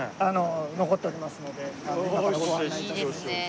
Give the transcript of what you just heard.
残っておりますのでご案内致します。